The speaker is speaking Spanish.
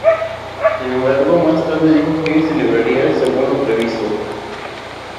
Sin embargo, más tarde dijo que se celebraría según lo previsto.